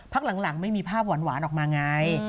พักหลังไม่มีภาพหวานออกมาไง